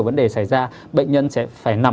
vấn đề xảy ra bệnh nhân sẽ phải nằm